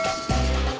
tinggal gak tau